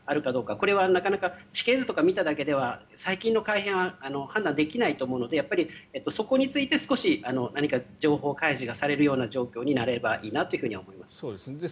これはなかなか地形図だけ見ただけでは最近の改変は判断できないと思うのでそこについて少し何か、情報開示がされるような状況になればいいなと思います。